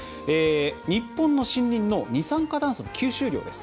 日本の森林の二酸化炭素の吸収量です。